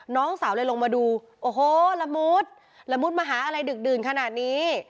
น้องสาวเลยลงมาดูโอ้โหละมุดละมุดมาหาอะไรดึกดื่นขนาดนี้